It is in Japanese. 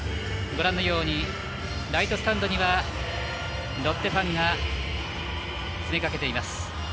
ご覧のようにライトスタンドにはロッテファンが詰めかけています。